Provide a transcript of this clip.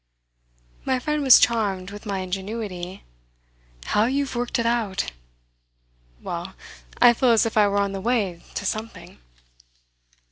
My friend was charmed with my ingenuity. "How you've worked it out!" "Well, I feel as if I were on the way to something."